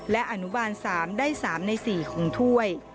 และอนุบาล๓ได้๓ใน๔ของถ้วย